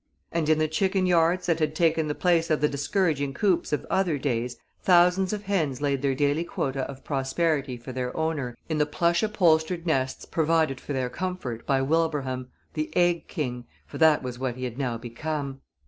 And in the chicken yards that had taken the place of the discouraging coops of other days thousands of hens laid their daily quota of prosperity for their owner in the plush upholstered nests provided for their comfort by Wilbraham, the egg king, for that was what he had now become.